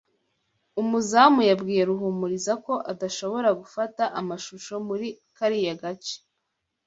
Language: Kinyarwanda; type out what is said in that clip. Umuzamu yabwiye Ruhumuriza ko adashobora gufata amashusho muri kariya gace.